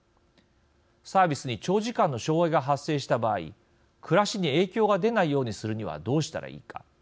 サービスに長時間の障害が発生した場合暮らしに影響が出ないようにするにはどうしたらいいか。